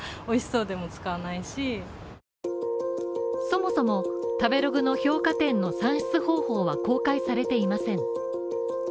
そもそも食べログの評価点の算出方法は公開されていません。